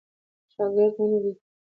شاګرد ونیوی.